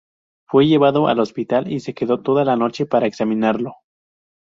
Fue llevado al hospital y se quedó toda la noche para examinarlo.